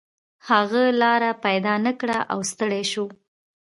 هغه لاره پیدا نه کړه او ستړی شو.